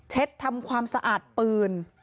เช็ดทำความสะอาดปืน